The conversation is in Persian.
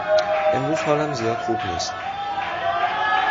امروز حالم زیاد خوب نیست.